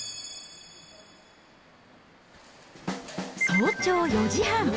早朝４時半。